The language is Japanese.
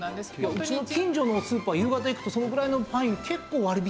うちの近所のスーパー夕方行くとそのぐらいのパイン。